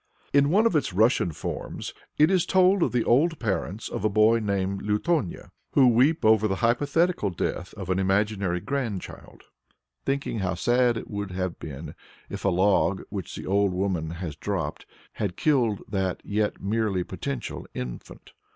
In one of its Russian forms, it is told of the old parents of a boy named Lutonya, who weep over the hypothetical death of an imaginary grandchild, thinking how sad it would have been if a log which the old woman has dropped had killed that as yet merely potential infant.